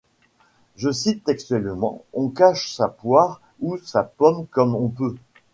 Je cite textuellement :« On cache sa poire ou sa pomme comme on peut.